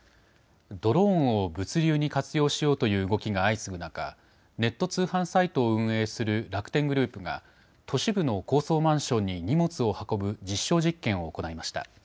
ドローンを物流に活用しようという動きが相次ぐ中、ネット通販サイトを運営する楽天グループが、都市部の高層マンションに荷物を運ぶ実証実験を行いました。